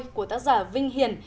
như ảnh gia vinh hiển